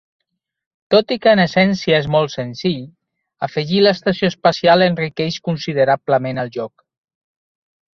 Tot i que en essència és molt senzill, afegir l'estació espacial enriqueix considerablement el joc.